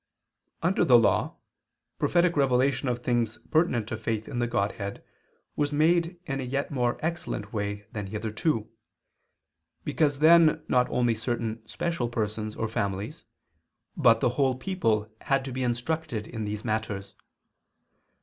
Under the Law prophetic revelation of things pertinent to faith in the Godhead was made in a yet more excellent way than hitherto, because then not only certain special persons or families but the whole people had to be instructed in these matters.